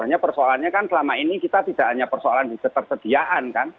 hanya persoalannya kan selama ini kita tidak hanya persoalan di ketersediaan kan